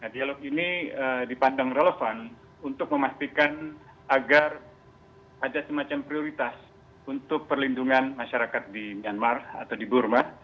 dialog ini dipandang relevan untuk memastikan agar ada semacam prioritas untuk perlindungan masyarakat di myanmar atau di burma